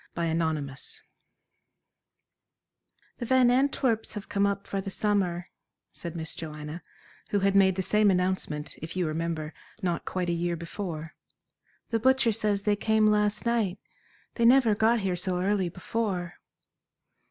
Chapter XXV "The Van Antwerps have come up for the summer," said Miss Joanna, who had made the same announcement, if you remember, not quite a year before. "The butcher says they came last night. They never got here so early before."